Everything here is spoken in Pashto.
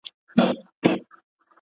زه پرون د کتابتون د کار مرسته وکړه!.